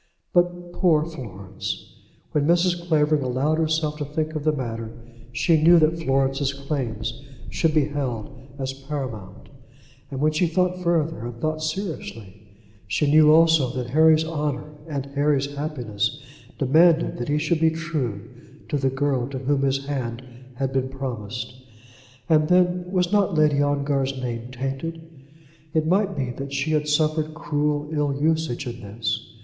But poor Florence! When Mrs. Clavering allowed herself to think of the matter she knew that Florence's claims should be held as paramount. And when she thought further and thought seriously, she knew also that Harry's honour and Harry's happiness demanded that he should be true to the girl to whom his hand had been promised. And, then, was not Lady Ongar's name tainted? It might be that she had suffered cruel ill usage in this.